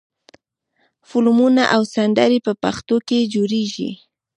فلمونه او سندرې په پښتو کمې جوړېږي.